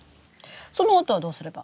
そのあとはどうすれば？